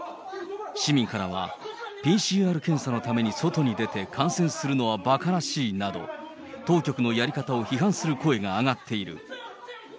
市民からは、ＰＣＲ検査のために外に出て感染するのはばからしいなど、当局のやり方を批判する声が上がっている。